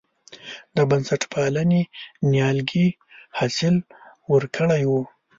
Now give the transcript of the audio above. د بنسټپالنې نیالګي حاصل ورکړی و.